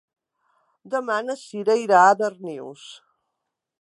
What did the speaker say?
Demà na Cira irà a Darnius.